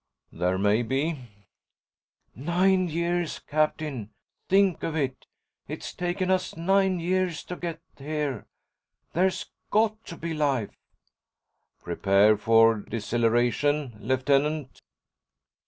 "There may be." "Nine years, Captain. Think of it. It's taken us nine years to get here. There's got to be life." "Prepare for deceleration, Lieutenant."